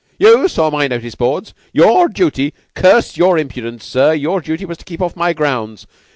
"You saw my notice boards. Your duty? Curse your impudence, sir. Your duty was to keep off my grounds.